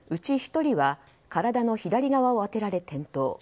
１人は体の左側を当てられ転倒。